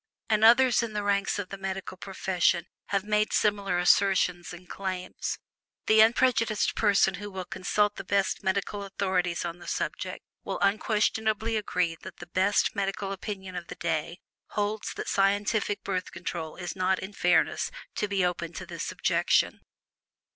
And others in the ranks of the medical profession have made similar assertions and claims. The unprejudiced person who will consult the best medical authorities on the subject will unquestionably agree that the best medical opinion of the day holds that scientific Birth Control is not in fairness to be open to this objection.